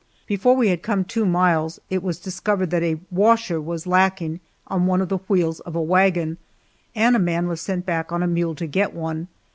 Before we had come two miles it was discovered that a "washer" was lacking on one of the wheels of a wagon, and a man was sent back on a mule to get one.